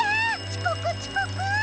ちこくちこく！」。